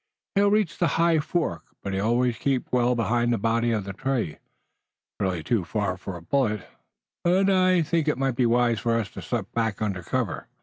He'll reach the high fork, but he'll always keep well behind the body of the tree. It's really too far for a bullet, but I think it would be wise for us to slip back under cover."